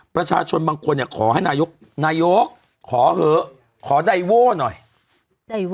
ประชาชนบางคนเนี่ยขอให้นายกนายกขอเหอะขอไดโว่หน่อย